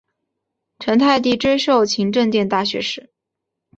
成泰帝追授勤政殿大学士。